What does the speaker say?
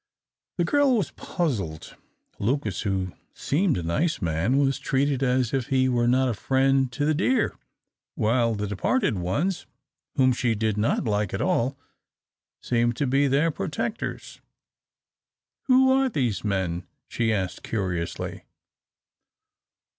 The girl was puzzled. Lucas, who seemed a nice man, was treated as if he were not a friend to the deer, while the departed ones, whom she did not like at all, seemed to be their protectors. "Who are those men?" she asked, curiously.